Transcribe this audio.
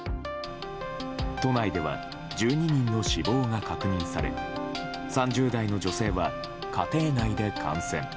都内では１２人の死亡が確認され３０代の女性は家庭内で感染。